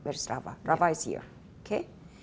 rafah ada di sini